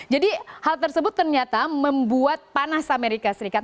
jadi hal tersebut ternyata membuat panas amerika serikat